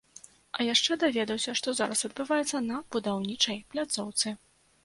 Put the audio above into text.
А яшчэ даведаўся, што зараз адбываецца на будаўнічай пляцоўцы.